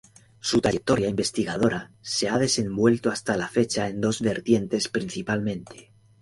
Su trayectoria investigadora se ha desenvuelto hasta la fecha en dos vertientes, principalmente.